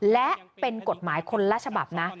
และเป็นกฎหมายคนละฉบับนะ